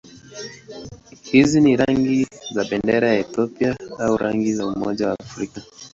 Hizi ni rangi za bendera ya Ethiopia au rangi za Umoja wa Afrika.